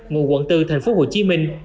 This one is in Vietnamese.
ngụ quận bốn thành phố hồ chí minh